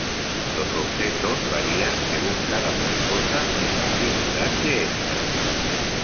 Los objetos varían según cada mascota y la habilidad de estas.